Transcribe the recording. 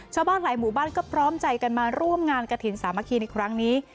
ชาวบ้านหลายหมู่บ้านก็พร้อมใจกันมาร่วมงานกระถิ่นสามัคคีในครั้งนี้